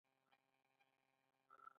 د نوکانو د سپینیدو لپاره د لیمو اوبه وکاروئ